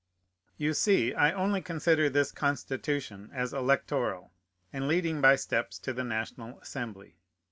You see I only consider this Constitution as electoral, and leading by steps to the National Assembly.